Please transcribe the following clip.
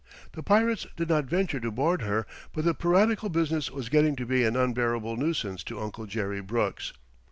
The pirates did not venture to board her, but the piratical business was getting to be an unbearable nuisance to Uncle Jerry Brooks.